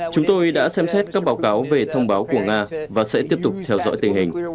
chúng tôi đã xem xét các báo cáo về thông báo của nga và sẽ tiếp tục theo dõi tình hình